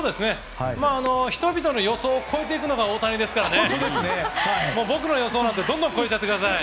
人々の予想を超えていくのが大谷ですから僕の予想なんてどんどん超えちゃってください。